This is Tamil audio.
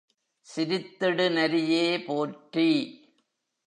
சிரித்திடு நரியே போற்றி!